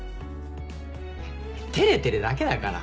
照れてるだけだから。